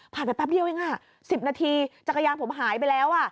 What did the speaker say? ผ่านไปแป๊บเดียวยังอ่ะ๑๐นาทีจักรยานผมหายไปแล้วอ่ะ